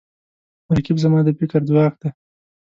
رقیب زما د فکر ځواک دی